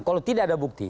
kalau tidak ada bukti